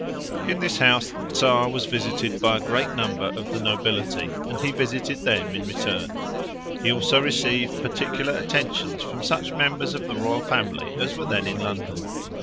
In this house the Czar was visited by a great number of the nobility, and he visited them in return. He also received particular attentions from such members of the royal family as were then in London.